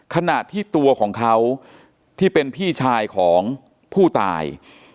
ขณะที่ตัวของเขาที่เป็นพี่ชายของผู้ตาย